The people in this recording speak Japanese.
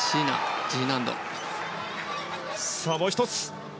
もう１つ。